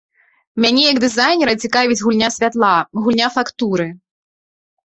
Мяне, як дызайнера, цікавіць гульня святла, гульня фактуры.